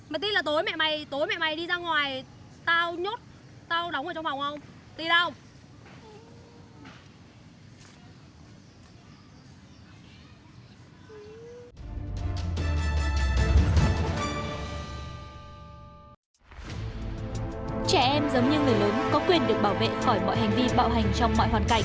mà tin là tối mẹ mày đi ra ngoài